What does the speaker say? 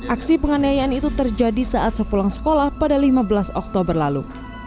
aksi penganiayaan itu terjadi saat sepulang sekolah pada lima belas oktober lalu